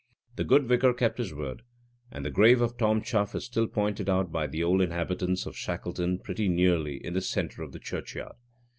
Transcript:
The good vicar kept his word, and the grave of Tom Chuff is still pointed out by the old inhabitants of Shackleton pretty nearly in the centre of the churchyard.